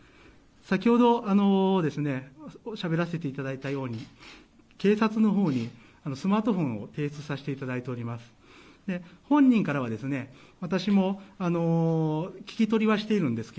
先ほどしゃべらせていただいたように警察のほうにスマートフォンを提出させていただいております。